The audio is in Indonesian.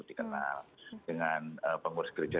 dikenal dengan pengurus gereja